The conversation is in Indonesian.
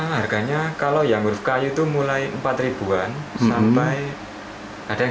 harganya kalau yang huruf kayu itu mulai empat ribuan sampai ada yang